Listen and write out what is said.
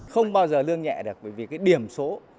không bao giờ lương nhẹ được bởi vì cái điểm số